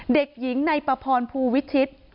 เด็กหญิงในปพรภูวิชิต